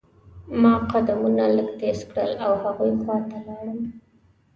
ما قدمونه لږ تیز کړل او هغوی خوا ته لاړم.